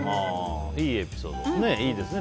いいエピソードですね。